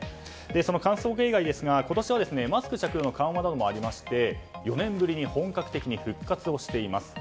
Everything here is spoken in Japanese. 歓送迎会ですが、今年はマスク着用の緩和もありまして４年ぶりに本格的に復活しています。